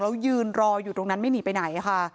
แล้วยืนรออยู่ตรงนั้นไม่หนีไปไหนค่ะ